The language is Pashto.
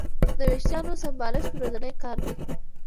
د وېښتیانو سمبالښت ورځنی کار دی.